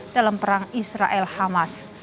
dalam perang israel hamas